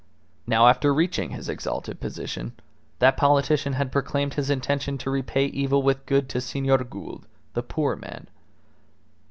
Now, after reaching his exalted position, that politician had proclaimed his intention to repay evil with good to Senor Gould the poor man.